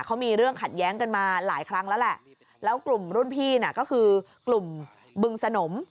เขามีเรื่องขัดแย้งกันมาหลายครั้งแล้วแหละแล้วกลุ่มรุ่นพี่น่ะก็คือกลุ่มบึงสนม